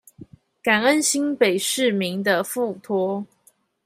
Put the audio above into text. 感恩新北市民的付託